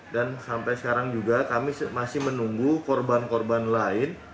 dan sampai sekarang juga kami masih menunggu korban korban lain